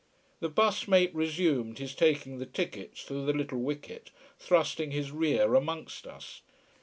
The bus mate resumed his taking the tickets through the little wicket, thrusting his rear amongst us.